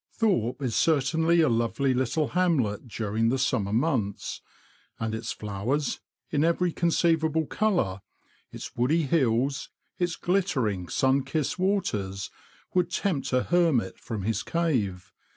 Thorpe is certainly a lovely little hamlet during the summer months, and its flowers, in every con ceivable colour, its woody hills, its glittering, sun kissed waters, would tempt a hermit from his cave, 64 THE LAND OF THE BROADS.